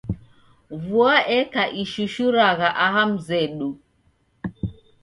Vua eka ishushuragha aha mzedu.